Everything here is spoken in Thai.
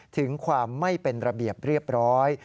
ถึงความไม่เป็นระเบียบเรียบร้อย